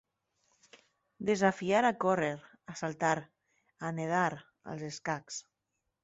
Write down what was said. Desafiar a córrer, a saltar, a nedar, als escacs.